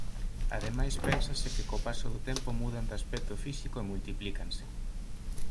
Ademais pénsase que co paso do tempo mudan de aspecto físico e multiplícanse.